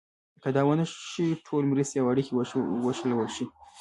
که دا ونه شي ټولې مرستې او اړیکې وشلول شي.